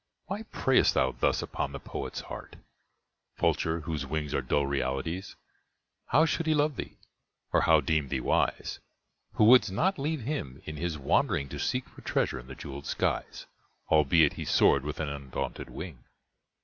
Why preyest thou thus upon the poet's heart, Vulture, whose wings are dull realities? How should he love thee? or how deem thee wise, Who wouldst not leave him in his wandering To seek for treasure in the jewelled skies Albeit he soared with an undaunted wing?